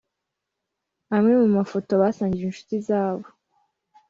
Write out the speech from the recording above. Amwe mu mafoto basangije inshuti zabo